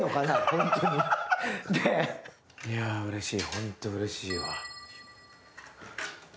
ホントうれしいわ。